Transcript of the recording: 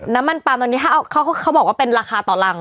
น้ำมันปลามตอนนี้ถ้าเขาบอกว่าเป็นราคาต่อรัง